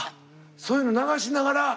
そういうの流しながら。